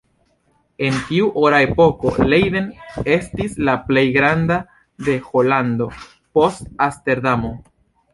En tiu Ora Epoko, Leiden estis la plej granda de Holando, post Amsterdamo.